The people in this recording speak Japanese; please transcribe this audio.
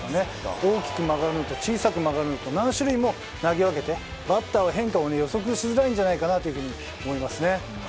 大きく曲がるのと小さく曲がるのと何種類も投げ分けてバッターは変化を予測しづらいんじゃないかと思います。